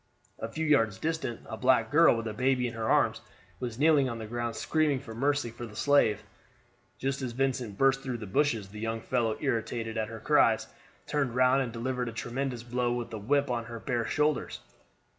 A few yards distant a black girl, with a baby in her arms, was kneeling on the ground screaming for mercy for the slave. Just as Vincent burst through the bushes, the young fellow, irritated at her cries, turned round and delivered a tremendous blow with the whip on her bare shoulders.